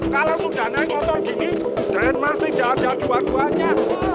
kalau sudah naik motor gini den mas tidak ada duanya duanya